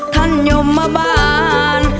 ท่านยมมาบ้าน